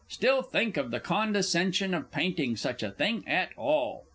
Still think of the condescension of painting such a thing at all!